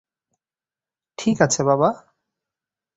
ঠিক আছে - বাবা!